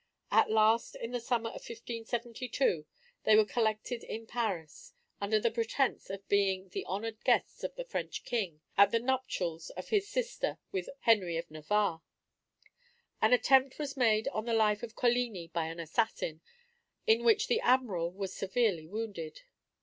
At last, in the summer of 1572, they were collected in Paris, under the pretence of being the honored guests of the French king, at the nuptials of his sister with Henry of Navarre. An attempt was made on the life of Coligni by an assassin, in which the Admiral was severely wounded.